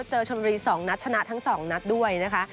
ชนบุรี๒นัดชนะทั้ง๒นัดด้วยนะคะ